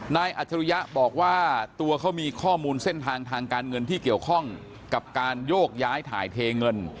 อัจฉริยะบอกว่าตัวเขามีข้อมูลเส้นทางทางการเงินที่เกี่ยวข้องกับการโยกย้ายถ่ายเทเงิน